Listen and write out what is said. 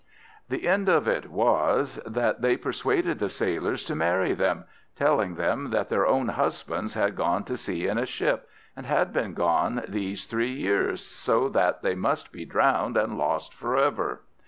The end of it was, that they persuaded the sailors to marry them, telling them that their own husbands had gone to sea in a ship, and had been gone these three years, so that they must be drowned and lost for ever.